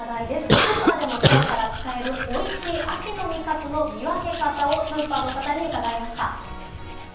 スーパーでもきょうから使える、おいしい秋の味覚の見分け方をスーパーの方に伺いました。